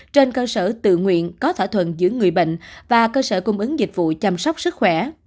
trên cơ sở tự nguyện có thỏa thuận giữa người bệnh và cơ sở cung ứng dịch vụ chăm sóc sức khỏe